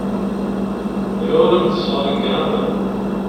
Kra ur am-t-sseɣren deg Havard?